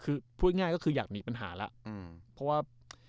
คือพูดง่ายก็คืออยากหนีปัญหาแล้วเพราะว่า